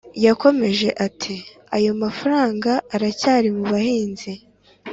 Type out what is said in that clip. yakomeje ati ayo mafaranga aracyari mu bahinzi